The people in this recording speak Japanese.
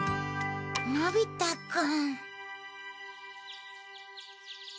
のび太くん。